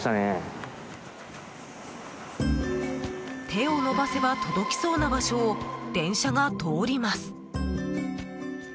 手を伸ばせば届きそうな場所を電車が通ります。